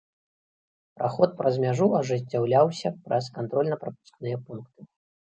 Праход праз мяжу ажыццяўляўся праз кантрольна-прапускныя пункты.